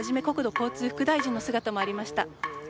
国土交通副大臣の姿もありました。